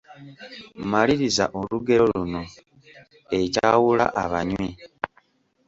Maliriza olugero luno: Ekyawula abanywi, …..